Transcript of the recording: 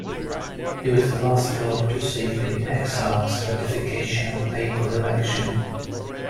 He was the last pope to seek the exarch's ratification of a papal election.